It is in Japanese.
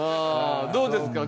どうですか？